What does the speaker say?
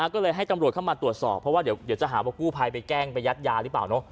ก็เลยให้ตำรวจเข้ามาตรวจสอบเพราะว่าเดี๋ยวจะหาว่ากู้ภัยไปแกล้งไปยัดยาหรือเปล่าเนอะ